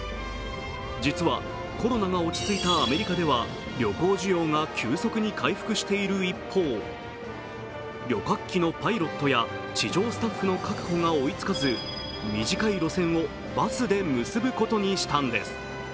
実は、コロナが落ち着いたアメリカでは旅行需要が急速に回復している一方、旅客機のパイロットや地上スタッフの確保が追いつかず、短い路線をバスで結ぶことにしたんです。